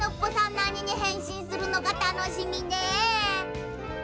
なににへんしんするのかたのしみね。